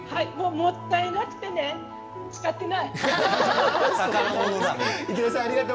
もったいなくて使ってない。